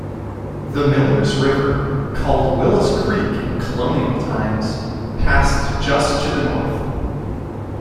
The Miller's River, called Willis Creek in colonial times, passed just to the north.